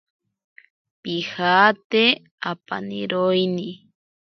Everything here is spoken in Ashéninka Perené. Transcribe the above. Pijate apaniroini.